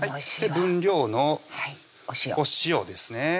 分量のお塩ですね